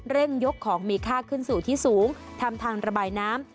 ยกของมีค่าขึ้นสู่ที่สูงทำทางระบายน้ำ